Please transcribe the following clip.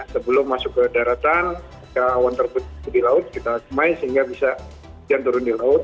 sebelum masuk ke daratan awan terbentuk di laut kita semai sehingga bisa hujan turun di laut